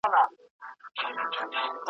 ستا په لاس هتکړۍ وینم بې وسۍ ته مي ژړېږم `